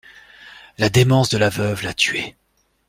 La démence de la veuve la tuait.